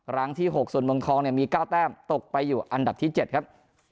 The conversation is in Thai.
หลังที่๖ส่วนวงคลองเนี่ยมี๙แต้มตกไปอยู่อันดับที่๗ครับ